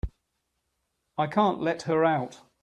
I can't let her out.